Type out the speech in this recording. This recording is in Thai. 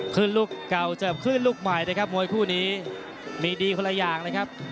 ลูกเก่าเจิบขึ้นลูกใหม่นะครับมวยคู่นี้มีดีคนละอย่างนะครับ